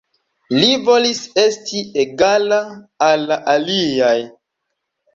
Li volis esti egala al la aliaj.